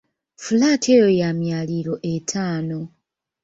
Fulaati eyo ya myaliiro etaano.